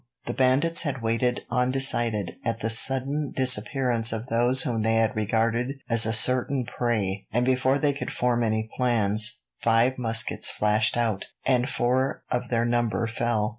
The bandits had waited, undecided, at the sudden disappearance of those whom they had regarded as a certain prey; and before they could form any plans, five muskets flashed out, and four of their number fell.